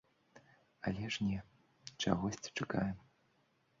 Але ж не, чагосьці чакаем.